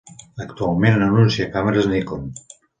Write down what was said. Actualment anuncia càmeres Nikon.